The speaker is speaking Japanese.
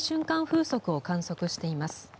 風速を観測しています。